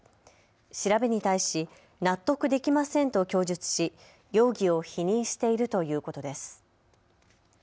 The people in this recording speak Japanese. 調べに対し、納得できませんと供述し容疑を否認しているということです。